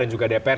dan juga dpr